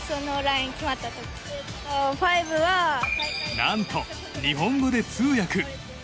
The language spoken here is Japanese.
何と、日本語で通訳。